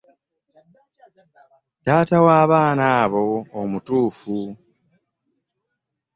Taata wa baana abo omutuufu.